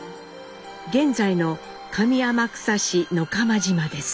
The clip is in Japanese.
現在の上天草市野釜島です。